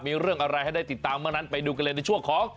มีเรื่องอะไรให้ได้ติดตามบ้างนั้นไปดูกันเลยในช่วงของ